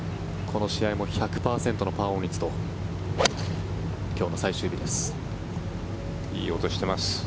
この試合も１００％のパーオン率と今日の最終日です。